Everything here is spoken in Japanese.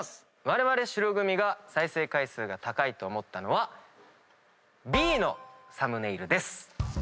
われわれ白組が再生回数が高いと思ったのはＢのサムネイルです。